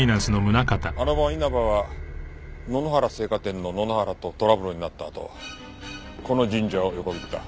あの晩稲葉は野々原生花店の野々原とトラブルになったあとこの神社を横切った。